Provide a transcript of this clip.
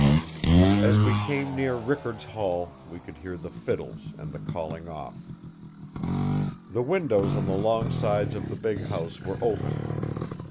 As we came near Rickard's Hall we could hear the fiddles and the calling off. The windows on the long sides of the big house were open.